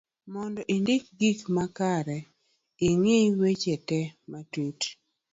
mondo indik gik makare,i ng'i weche te matut